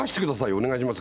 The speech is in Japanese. お願いします。